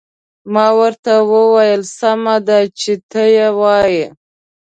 ما ورته وویل: سمه ده، چې ته يې وایې.